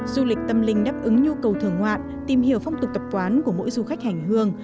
du lịch tâm linh đáp ứng nhu cầu thường ngoạn tìm hiểu phong tục tập quán của mỗi du khách hành hương